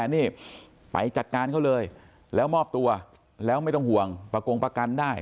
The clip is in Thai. นี่ไปจัดการเขาเลยแล้วมอบตัวแล้วไม่ต้องห่วงประกงประกันได้